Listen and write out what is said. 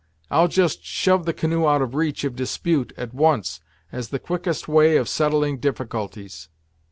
I'll just shove the canoe out of reach of dispute at once, as the quickest way of settling difficulties."